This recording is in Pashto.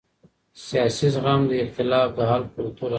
سیاسي زغم د اختلاف د حل کلتور رامنځته کوي